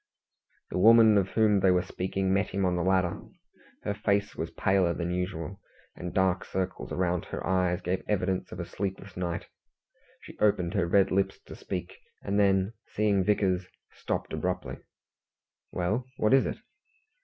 The woman of whom they were speaking met him on the ladder. Her face was paler than usual, and dark circles round her eyes gave evidence of a sleepless night. She opened her red lips to speak, and then, seeing Vickers, stopped abruptly. "Well, what is it?"